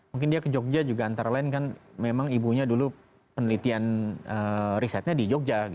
mungkin dia ke jogja juga antara lain kan memang ibunya dulu penelitian risetnya di jogja